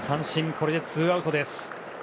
これでツーアウトです。